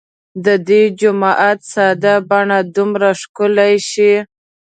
د دې جومات ساده بڼه دومره ښکلې شي.